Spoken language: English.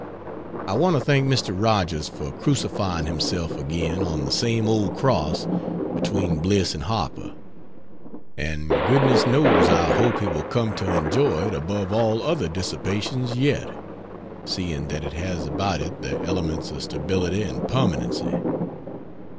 I want to thank Mr. Rogers for crucifying himself again on the same old cross between Bliss and Harper; and goodness knows I hope he will come to enjoy it above all other dissipations yet, seeing that it has about it the elements of stability and permanency.